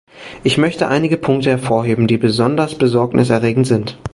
Ich möchte einige Punkte hervorheben, die besonders Besorgnis erregend sind.